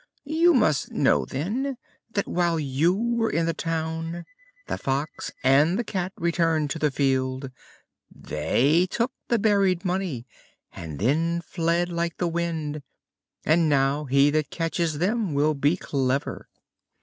"You must know, then, that while you were in the town the Fox and the Cat returned to the field; they took the buried money and then fled like the wind. And now he that catches them will be clever."